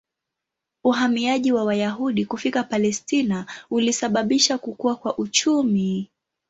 Uhamiaji wa Wayahudi kufika Palestina ulisababisha kukua kwa uchumi.